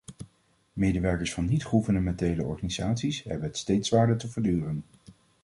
Medewerkers van niet-gouvernementele organisaties hebben het steeds zwaarder te verduren.